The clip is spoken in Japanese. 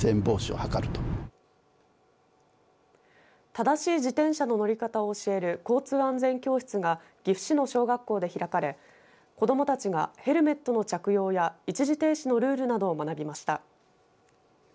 正しい自転車の乗り方を教える交通安全教室が岐阜市の小学校で開かれ、子どもたちがヘルメットの着用や一時停止のルールなどを学びました。